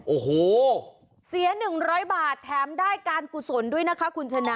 โอ้โหเสีย๑๐๐บาทแถมได้การกุศลด้วยนะคะคุณชนะ